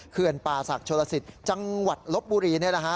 เคือนป่าศักดิ์ชนลสิตจังหวัดลบบุรีเนี้ยแหละฮะ